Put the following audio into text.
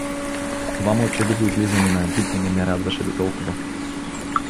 Това мълчеливо излизание на агите не ме радваше дотолкова.